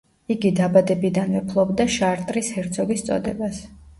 იგი დაბადებიდანვე ფლობდა შარტრის ჰერცოგის წოდებას.